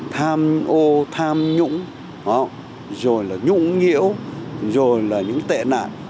tham ô tham nhũng rồi là nhũng nhiễu rồi là những tệ nạn